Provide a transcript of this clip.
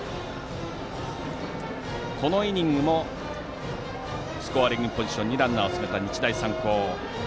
このイニングもスコアリングポジションにランナーを進めた日大三高。